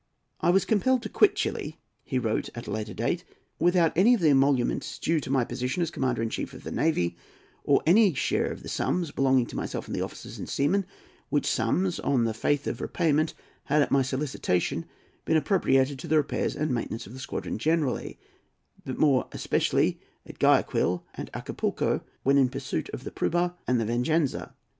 "I was compelled to quit Chili," he wrote at a later date, "without any of the emoluments due to my position as Commander in Chief of the Navy, or any share of the sums belonging to myself and the officers and seamen; which sums, on the faith of repayment, had, at my solicitation, been appropriated to the repairs and maintenance of the squadron generally, but more especially at Guayaquil and Acapulco, when in pursuit of the Prueba and the Venganza.